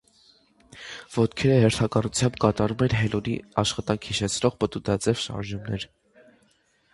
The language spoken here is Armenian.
Ոտքերը հերթականությամբ կատարում են հելունի աշխատանք հիշեցնող պտուտաձև շարժումներ։